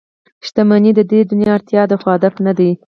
• شتمني د دنیا اړتیا ده، خو هدف نه دی.